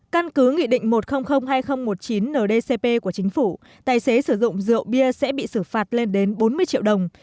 căn cứ nghị định một trăm linh hai nghìn một mươi chín ndcp của chính phủ tài xế sử dụng rượu bia sẽ bị xử phạt lên đến bốn mươi triệu đồng